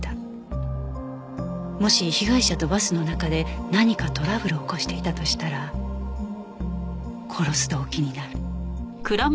もし被害者とバスの中で何かトラブルを起こしていたとしたら殺す動機になる